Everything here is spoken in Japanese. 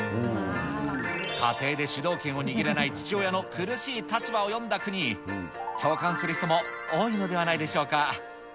家庭で主導権を握れない父親の苦しい立場を詠んだ句に、共感する人も多いのではないでしょうか。